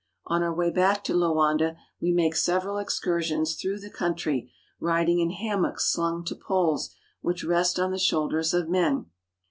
On our way back to Loanda we make several excursion hrough the country, riding in hammocks slung to poles vhich rest on the shoulders of men.